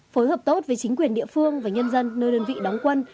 phối hợp tốt với chính quyền địa phương và nhân dân nơi đơn vị đóng quân